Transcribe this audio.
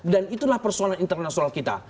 dan itulah persoalan internasional kita